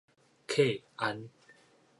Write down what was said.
客安